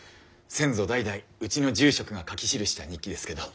先祖代々うちの住職が書き記した日記ですけど。